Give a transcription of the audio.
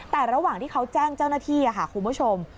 แต่ระหว่างที่เขาแจ้งเจ้าหน้าที่ค่ะคุณผู้ชม